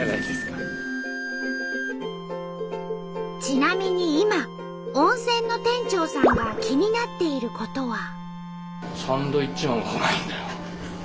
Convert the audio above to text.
ちなみに今温泉の店長さんが気になっていることは。